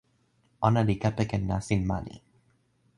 ona li kepeken nasin mani.